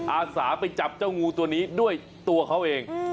อาสาไปจับเจ้างูตัวนี้ด้วยตัวเขาเอง